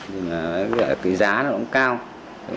thì là cái giá nó cũng cao